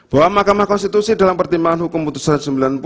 bahwa mahkamah konstitusi dalam pertimbangan hukum putusan sembilan puluh